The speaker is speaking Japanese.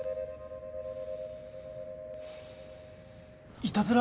いたずら？